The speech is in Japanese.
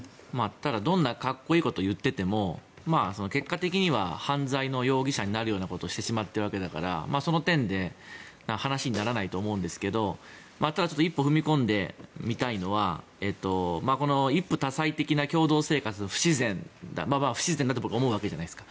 どんなかっこいいことを言っていても結果的には犯罪の容疑者になることをしてしまっているわけだからその点で話にならないと思いますがただ、一歩踏み込んでみたいのは一夫多妻的な共同生活は不自然だと思うわけじゃないですか。